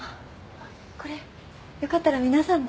これよかったら皆さんで。